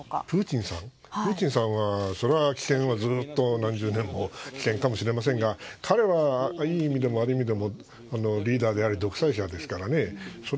プーチンさんはそれは危険はずっと何十年も危険かもしれませんが彼は、いい意味でも悪い意味でもリーダーであり独裁者ですからね。